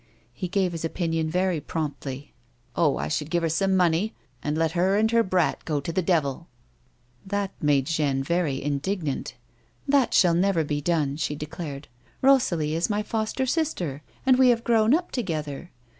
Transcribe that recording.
He gave his opinion very promptly. " Oh, I should give her some money, and let her and her brat go to the devil." That made Jeanne very indignant. " That shall never be done," she declared ;" Rosalie is my foster sister, and we have grown up together.